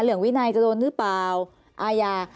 เหลืองวินัยจะโดนหรือเปล่าอายา